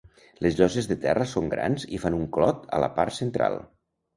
Les lloses de terra són grans i fan un clot a la part central.